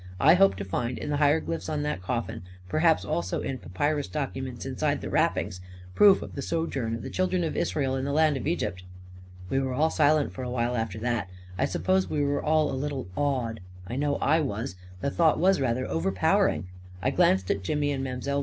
" I hope to find, in the hieroglyphs on that coffin — perhaps also in papyrus documents inside the wrappings — proof of the sojourn of the Children of Israel in the land of Egypt." We were all silent for a while, after that. I sup pose we were all a little awed. I know I was — 300 A KING IN BABYLON the thought was rather overpowering. I glanced at Jimmy and Mile.